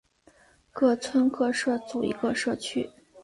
每村各设组一个社区。